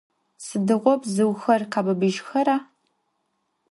Sıdiğo bzıuxer khebıbıjxera?